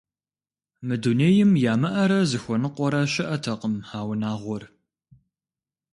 Мы дунейм ямыӀэрэ зыхуэныкъуэрэ щыӀэтэкъым а унагъуэр.